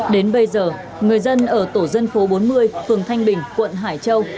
đến bây giờ người dân ở tổ dân phố bốn mươi phường thanh bình quận hải châu